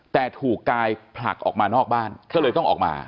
แต่ถูกกายผลักออกมานอกบ้านก็เลยต้องออกมา